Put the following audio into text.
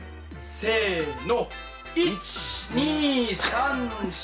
せの。